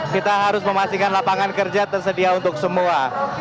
kita harus memastikan lapangan kerja tersedia untuk semua